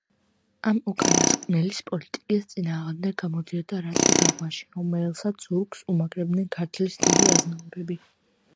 ამ უკანასკნელის პოლიტიკის წინააღმდეგ გამოდიოდა რატი ბაღვაში, რომელსაც ზურგს უმაგრებდნენ ქართლის დიდი აზნაურები.